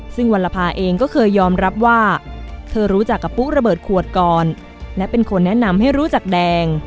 ซึ่งวัลภาเองก็เคยยอมรับว่าเธอรู้จักกับปุ๊ระเบิดขวดก่อนและเป็นคนแนะนำให้รู้จักแดง